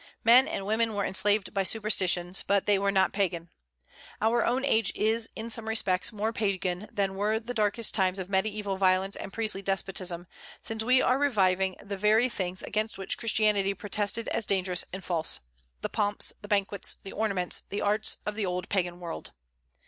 Men and women were enslaved by superstitions, but they were not Pagan. Our own age is, in some respects, more Pagan than were the darkest times of mediaeval violence and priestly despotism, since we are reviving the very things against which Christianity protested as dangerous and false, the pomps, the banquets, the ornaments, the arts of the old Pagan world.